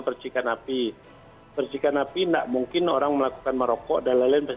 percikan api percikan api tidak mungkin orang melakukan merokok dan lain lain